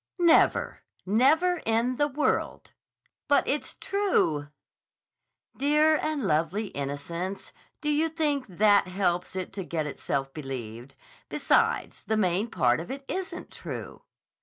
"Never. Never in the world!" "But it's true!" "Dear and lovely innocence! Do you think that helps it to get itself believed? Besides, the main part of it isn't true."